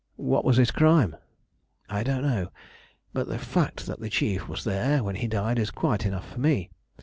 What was his crime?" "I don't know. But the fact that the Chief was there when he died is quite enough for me.